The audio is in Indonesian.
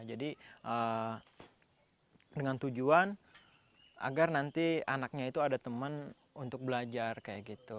jadi dengan tujuan agar nanti anaknya itu ada teman untuk belajar kayak gitu